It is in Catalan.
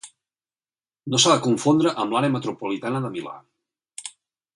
No s'ha de confondre amb l'Àrea metropolitana de Milà.